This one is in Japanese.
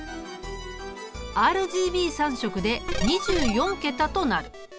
ＲＧＢ３色で２４桁となる。